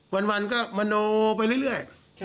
วันก็มโนไปเรื่อย